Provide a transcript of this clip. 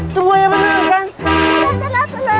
coba ya menurutku kan